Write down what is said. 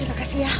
terima kasih ya